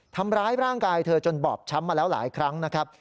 ทำร้ายร่างกายเธอจนบอบช้ำมาแล้วหลายครั้งนะครับ